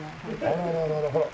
あらあらあらあらほら。